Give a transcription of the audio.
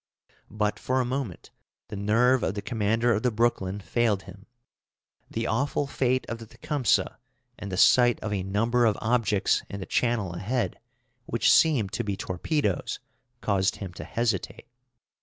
But, for a moment, the nerve of the commander of the Brooklyn failed him. The awful fate of the Tecumseh and the sight of a number of objects in the channel ahead, which seemed to be torpedoes, caused him to hesitate.